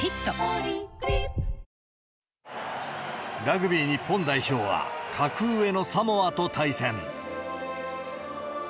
ポリグリップラグビー日本代表は、格上のサモアと対戦。